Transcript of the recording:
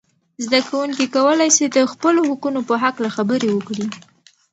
زده کوونکي کولای سي د خپلو حقونو په هکله خبرې وکړي.